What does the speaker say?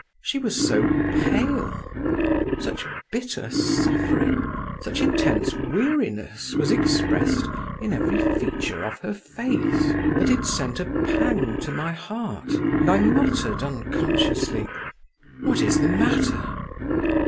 She was so pale, such bitter suffering, such intense weariness, was expressed in every feature of her face, that it sent a pang to my heart, and I muttered unconsciously, "What is the matter?"